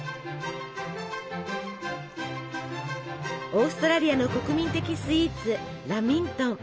オーストラリアの国民的スイーツラミントン。